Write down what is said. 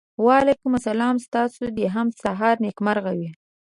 وعلیکم سلام ستاسو د هم سهار نېکمرغه وي.